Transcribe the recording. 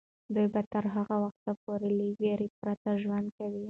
دوی به تر هغه وخته پورې له ویرې پرته ژوند کوي.